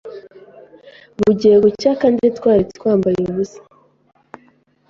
bugiye gucya kandi twari twambaye ubusa,